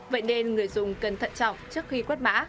vậy nên người dùng cần thận trọng trước khi quất mã